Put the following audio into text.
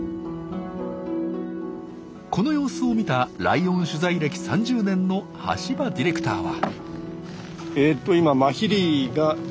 この様子を見たライオン取材歴３０年の橋場ディレクターは。